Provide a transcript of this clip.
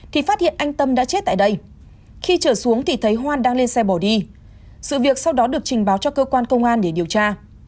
thì phát hiện anh tâm đã chết tại đây khi trở xuống thì thấy hoan đang lên xe bỏ đi sự việc sau đó được trình báo cho cơ quan công an để điều tra